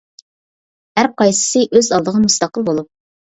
ھەر قايسىسى ئۆز ئالدىغا مۇستەقىل بولۇپ.